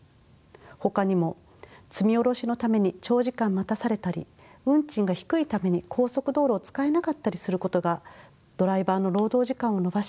ほかにも積み降ろしのために長時間待たされたり運賃が低いために高速道路を使えなかったりすることがドライバーの労働時間を延ばし